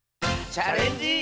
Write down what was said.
「チャレンジ」。